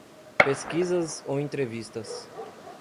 Pesquisas ou entrevistas.